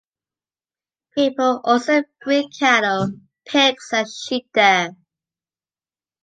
People also breed cattle, pigs and sheep there.